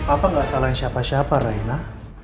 apa gak salahin siapa siapa raina